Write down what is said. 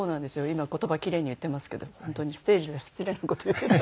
今言葉キレイに言ってますけど本当にステージでは失礼な事言ったり。